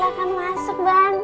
saya mau ke rumah